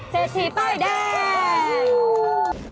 เสถีป้ายแดง